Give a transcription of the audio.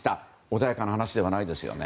穏やかな話ではないですね。